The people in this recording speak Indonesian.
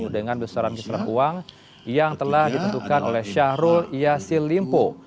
dengan besaran besar uang yang telah ditentukan oleh syahrul yassin limpo